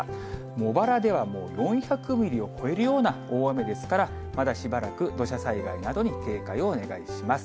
茂原では４００ミリを超えるような大雨ですから、まだしばらく、土砂災害などに警戒をお願いします。